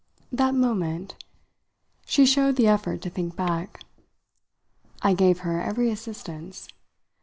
"That moment?" She showed the effort to think back. I gave her every assistance.